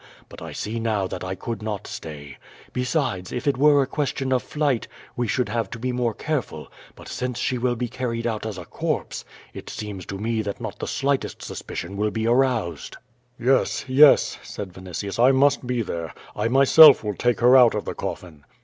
But I see now that I could not stay. Besides, if it were a question of flight, we should have to be more careful, but since she will be carried out as a corpse, it seems to me that not the slightest suspicion will be aroused." "Yes, yes," said Vinitius, "I must be there. I myself will take her out of the coffin."